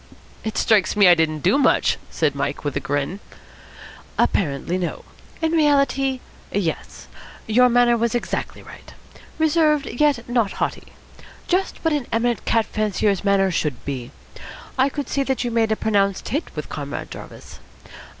"It strikes me I didn't do much," said Mike with a grin. "Apparently, no. In reality, yes. Your manner was exactly right. Reserved, yet not haughty. Just what an eminent cat fancier's manner should be. I could see that you made a pronounced hit with Comrade Jarvis.